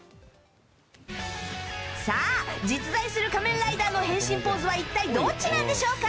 さあ、実在する仮面ライダーの変身ポーズは一体どっちなんでしょうか。